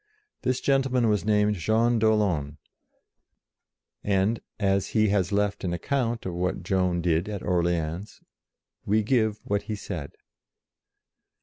This gentle man was named Jean d'Aulon, and, as he has left an account of what Joan did at Orleans, we give what he said.